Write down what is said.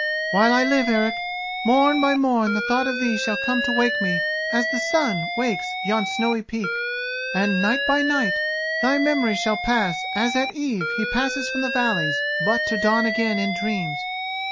While I live, Eric, morn by morn the thought of thee shall come to wake me as the sun wakes yon snowy peak, and night by night thy memory shall pass as at eve he passes from the valleys, but to dawn again in dreams.